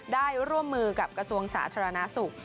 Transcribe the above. ร่วมมือกับกระทรวงสาธารณสุข